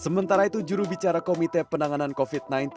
sementara itu jurubicara komite penanganan covid sembilan belas